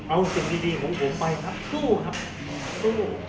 เอาสิ่งดีของผมไปครับสู้ครับสู้